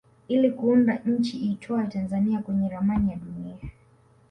ili kuunda nchi iitwayo Tanzania kwenye ramani ya dunia